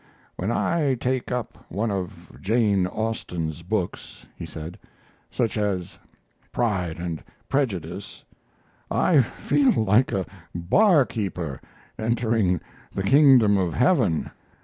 "When I take up one of Jane Austen's books," he said, "such as Pride and Prejudice, I feel like a barkeeper entering the kingdom of heaven.